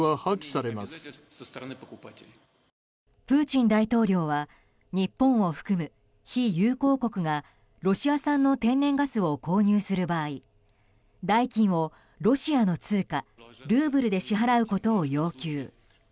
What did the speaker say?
プーチン大統領は日本を含む非友好国がロシア産の天然ガスを購入する場合代金を、ロシアの通貨ルーブルで支払うことを要求。